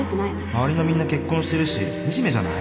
周りのみんな結婚してるしみじめじゃない？